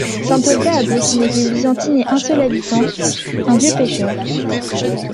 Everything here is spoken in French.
Saint Olga abrite une église byzantine et un seul habitant, un vieux pêcheur.